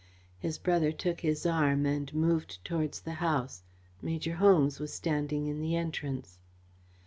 His brother took his arm and moved towards the house. Major Holmes was standing in the entrance.